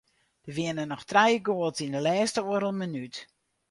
Der wiene noch trije goals yn de lêste oardel minút.